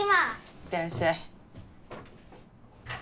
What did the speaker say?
いってらっしゃい。